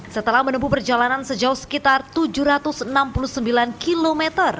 setelah menempuh perjalanan sejauh sekitar tujuh ratus enam puluh sembilan km